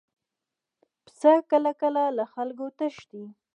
پسه کله کله له خلکو تښتي.